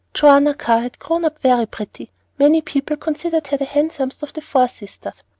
Joanna Carr had grown up very pretty; many people considered her the handsomest of the four sisters.